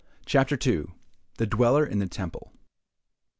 CHAPTER II. THE DWELLER IN THE TEMPLE.